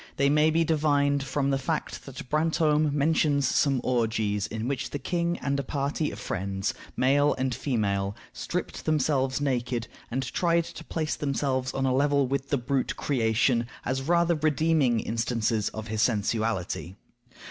They may be divined from the fact that Brantome mentions some orgies in which the king and a party of friends, male and female, stripped themselves naked, and tried to place themselves on a level with the brute creation, as rather redeeming instances of his sensuality.